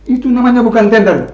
itu namanya bukan tender